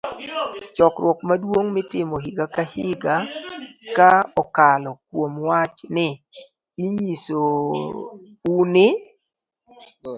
Chokruok Maduong' Mitimo Higa ka Higa .ka okalo kuom wach ni, inyiso u ni